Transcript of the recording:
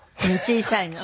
小さいの？